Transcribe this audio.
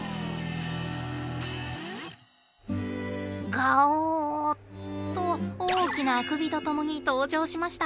ガオッと大きなあくびとともに登場しました。